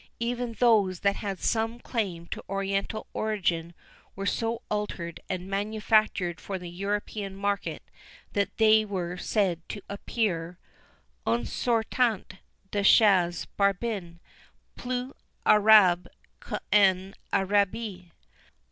Even those that had some claim to Oriental origin were so altered and "manufactured for the European market" that they were said to appear en sortant de chez Barbin Plus Arabe qu'en Arabie.